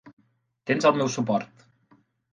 Tens el meu suport!